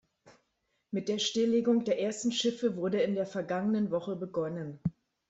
Mit der Stilllegung der ersten Schiffe wurde in der vergangenen Woche begonnen.